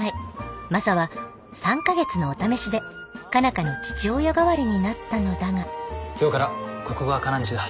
マサは３か月のお試しで佳奈花の父親代わりになったのだが今日からここがカナんちだ。